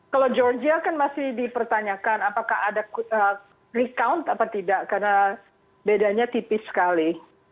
kalau georgia kan masih dipertanyakan apakah ada recount apa tidak karena bedanya tipis sekali